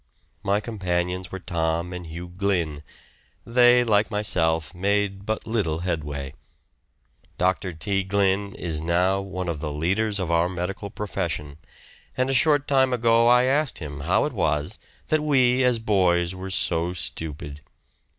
My companions were Tom and Hugh Glynn; they, like myself, made but little headway. Dr. T. Glynn is now one of the leaders of our medical profession, and a short time ago I asked him how it was that we as boys were so stupid.